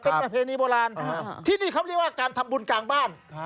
เป็นประเพณีโบราณที่นี่เขาเรียกว่าการทำบุญกลางบ้าน